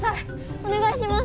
お願いします！